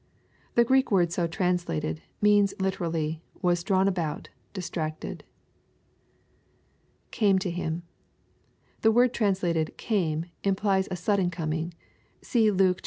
] The Greek word so translated, means literally, '* was drawn about, distracted." [Came to him.] The word translated "came" implies a sadden coming. See Luke zxi.